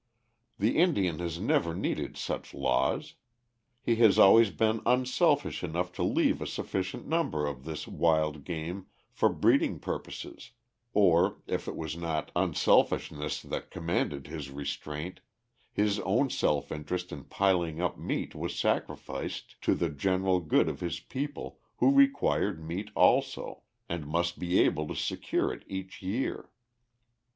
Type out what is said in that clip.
The Indian has never needed such laws. He has always been unselfish enough to leave a sufficient number of this wild game for breeding purposes, or, if it was not unselfishness that commanded his restraint, his own self interest in piling up meat was sacrificed to the general good of his people who required meat also, and must be able to secure it each year.